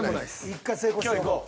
１回成功しておこう。